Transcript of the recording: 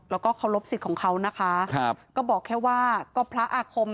แล้วก็เคารพสิทธิ์ของเขานะคะครับก็บอกแค่ว่าก็พระอาคม